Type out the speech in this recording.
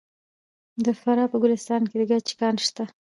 د فراه په ګلستان کې د ګچ کان شته.